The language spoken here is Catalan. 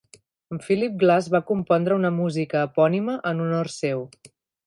Philip Glass va compondre una música epònima en honor seu.